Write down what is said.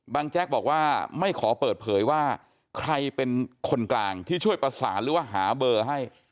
แจ๊กบอกว่าไม่ขอเปิดเผยว่าใครเป็นคนกลางที่ช่วยประสานหรือว่าหาเบอร์ให้